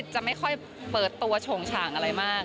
จะไม่ค่อยเปิดตัวโฉงฉางอะไรมาก